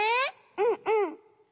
うんうん。